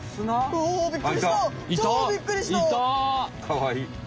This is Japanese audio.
かわいい。